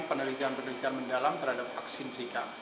penelitian penelitian mendalam terhadap vaksin zika